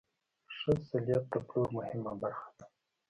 ښه سلیت د پلور مهمه برخه ده.